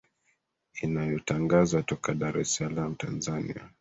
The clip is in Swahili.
inayotangaza toka dar es salaam tanzania